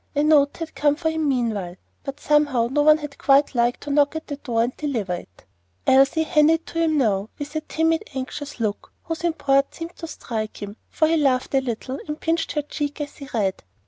A note had come for him meanwhile, but somehow no one had quite liked to knock at the door and deliver it. Elsie handed it to him now, with a timid, anxious look, whose import seemed to strike him, for he laughed a little, and pinched her cheek as he read.